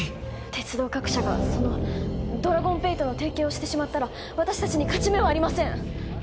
鉄道各社がそのドラゴンペイとの提携をしてしまったら私達に勝ち目はありません！